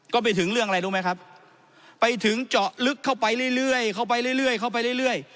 ก็ไปถึงเรื่องอะไรรู้ไหมครับไปถึงเจาะลึกเข้าไปเรื่อยเข้าไปเรื่อยเข้าไปเรื่อย